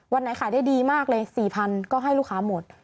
ไหนขายได้ดีมากเลย๔๐๐ก็ให้ลูกค้าหมด